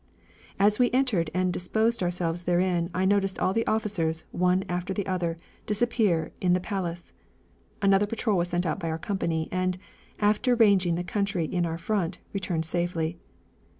As we entered and disposed ourselves therein, I noticed all the officers, one after the other, disappear in the palace. Another patrol was sent out by our company, and, after ranging the country in our front, returned safely.